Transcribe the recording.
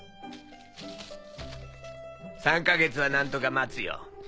３か月は何とか待つよ。